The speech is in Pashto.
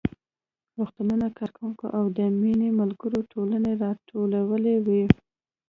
روغتون کارکوونکي او د مينې ملګرې ټولې راټولې وې